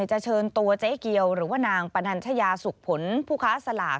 จะเชิญตัวเจ๊เกียวหรือว่านางปนัญชยาสุขผลผู้ค้าสลาก